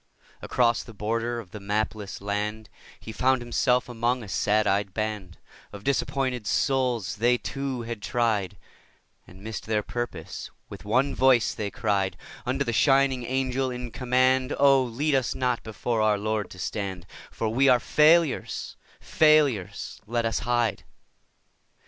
Across the border of the mapless land He found himself among a sad eyed band Of disappointed souls; they, too, had tried And missed their purpose. With one voice they cried Unto the shining Angel in command: 'Oh, lead us not before our Lord to stand, For we are failures, failures! Let us hide.